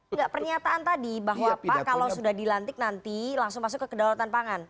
enggak pernyataan tadi bahwa pak kalau sudah dilantik nanti langsung masuk ke kedaulatan pangan